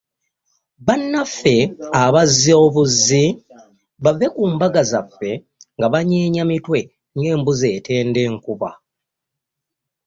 Bannaffe abazzi obuzzi bave ku mbaga zaffe nga banyeenya mitwe ng’embuzi etenda enkuba.